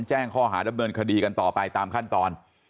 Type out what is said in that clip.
แจ้งข้อหาดำเนินคดีกันต่อไปตามขั้นตอน